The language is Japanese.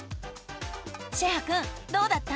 シェハくんどうだった？